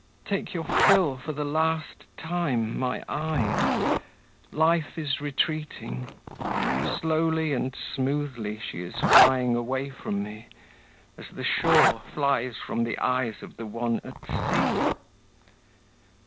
Take your fill for the last time, my eyes. Life is retreating; slowly and smoothly she is flying away from me, as the shore flies from the eyes of one at sea.